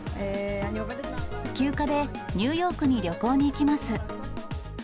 休暇でニューヨークに旅行に行きます。